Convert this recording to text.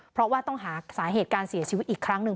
เพราะว่าต้องหาสาเหตุการเสียชีวิตอีกครั้งหนึ่ง